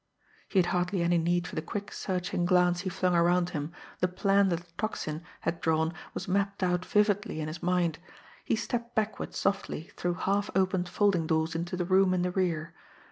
He had hardly any need for the quick, searching glance he flung around him the plan that the Tocsin, had drawn was mapped out vividly in his mind. He stepped backward softly through half opened folding doors into the room in the rear.